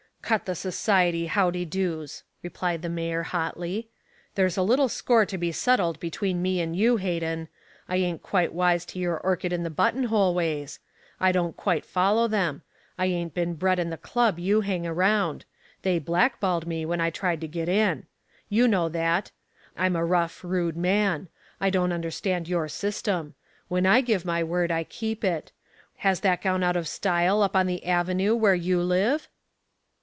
"Cut the society howdydoes," replied the mayor hotly. "There's a little score to be settled between me and you, Hayden. I ain't quite wise to your orchid in the buttonhole ways. I don't quite follow them. I ain't been bred in the club you hang around they blackballed me when I tried to get in. You know that. I'm a rough rude man. I don't understand your system. When I give my word, I keep it. Has that gone out of style up on the avenue, where you live?"